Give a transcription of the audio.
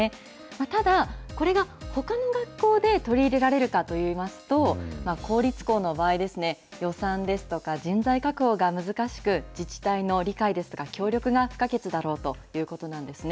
ただ、これがほかの学校で取り入れられるかといいますと、公立校の場合ですね、予算ですとか人材確保が難しく、自治体の理解ですとか、協力が不可欠だろうということなんですね。